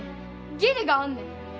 義理があんねん。